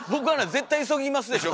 絶対急ぎますでしょ？